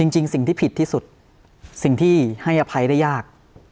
จริงสิ่งที่ผิดที่สุดสิ่งที่ให้อภัยได้ยาก